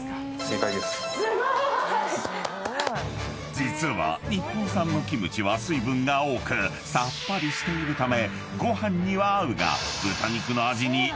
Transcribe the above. ［実は日本産のキムチは水分が多くさっぱりしているためご飯には合うが豚肉の味に負けてしまう］